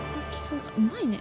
うまいね。